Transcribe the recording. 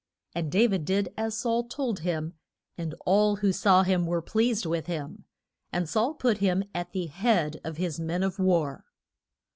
And Da vid did as Saul told him, and all who saw him were pleased with him, and Saul put him at the head of his men of war.